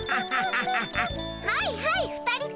はいはい２人とも。